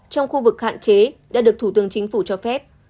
trong khu vực hạn chế đã được thủ tướng chính phủ cho phép